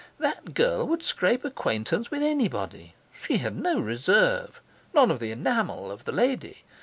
That girl would scrape acquaintance with anybody; she had no reserve, none of the enamel of the lady.